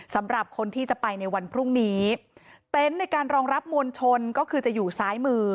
สำหรับคนที่จะไปในวันพรุ่งนี้เต็นต์ในการรองรับมวลชนก็คือจะอยู่ซ้ายมือ